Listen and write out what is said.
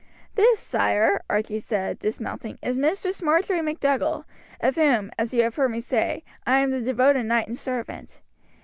"This, sire," Archie said, dismounting, "is Mistress Marjory MacDougall, of whom, as you have heard me say, I am the devoted knight and servant.